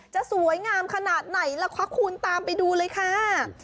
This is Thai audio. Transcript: จะสวยงามขนาดไหนล่ะคะคุณตามไปดูเลยค่ะ